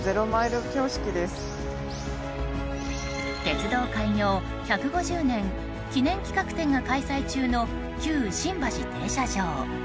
鉄道開業１５０年記念企画展が開催中の旧新橋停車場。